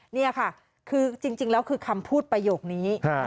นี่ค่ะคือจริงแล้วคือคำพูดประโยคนี้